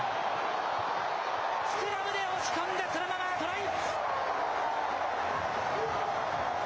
スクラムで押し込んで、そのままトライ。